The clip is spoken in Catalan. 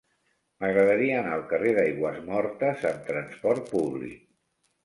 M'agradaria anar al carrer d'Aigüesmortes amb trasport públic.